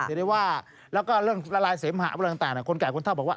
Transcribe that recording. จะได้ว่าแล้วก็เรื่องละลายเสมหะอะไรต่างคนแก่คนเท่าบอกว่า